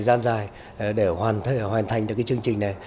mình đã dành thời gian dài để hoàn thành được cái chương trình này